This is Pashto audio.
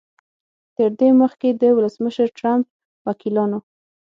تر دې مخکې د ولسمشر ټرمپ وکیلانو